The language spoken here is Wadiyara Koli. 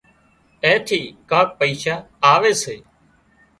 اين ٿي ڪانڪ پئيشا آوي سي